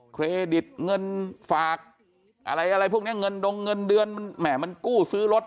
เครดิตเงินฝากอะไรอะไรพวกนี้เงินดงเงินเดือนมันแหม่มันกู้ซื้อรถ